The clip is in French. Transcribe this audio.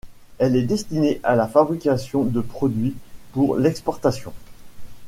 Elle est destinée à la fabrication de produits pour l’exportation.